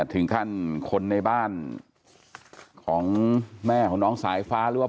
ถึงขั้นคนในบ้านของแม่ของน้องสายฟ้าหรือว่า